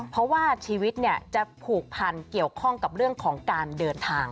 เพราะว่าชีวิตจะผูกพันเกี่ยวข้องกับเรื่องของการเดินทาง